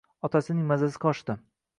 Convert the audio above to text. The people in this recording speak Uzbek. Otaning mazasi qochdi